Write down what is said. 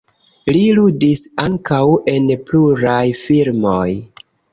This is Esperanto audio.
Li ludis ankaŭ en pluraj filmoj.